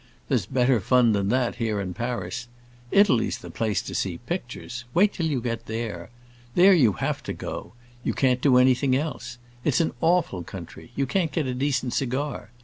There's better fun than that, here in Paris. Italy's the place to see pictures; wait till you get there. There you have to go; you can't do anything else. It's an awful country; you can't get a decent cigar.